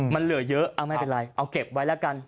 มันเหลือเยอะไม่เป็นไรเอาเก็บไว้แล้วกัน